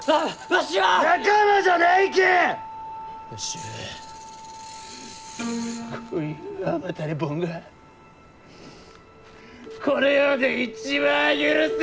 わしはこういう甘たれボンがこの世で一番許せんがじゃ！